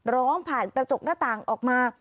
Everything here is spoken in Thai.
ร้องผ่านกระจกหน้าต่างออกมา